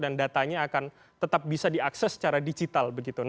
dan datanya akan tetap bisa diakses secara digital